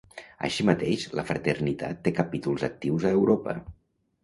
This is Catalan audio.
Així mateix, la fraternitat té capítols actius a Europa.